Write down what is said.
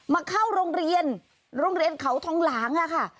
เข้าโรงเรียนโรงเรียนเขาทองหลางค่ะ